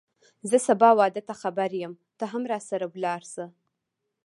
زه سبا واده ته خبر یم ته هم راسره ولاړ شه